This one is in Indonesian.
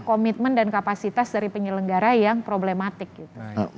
komitmen dan kapasitas dari penyelenggara yang problematik gitu